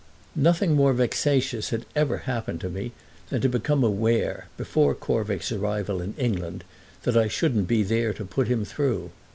NOTHING more vexatious had ever happened to me than to become aware before Corvick's arrival in England that I shouldn't be there to put him through.